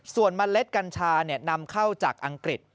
ส่วนเมล็ดกัญชานำเข้าจากอังกฤษ